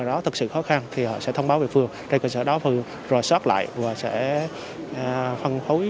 đó thực sự khó khăn thì họ sẽ thông báo về phường trên cơ sở đó phường rò xót lại và sẽ phân phối